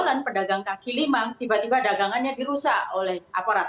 karena pedagang kaki lima tiba tiba dagangannya dirusak oleh aparat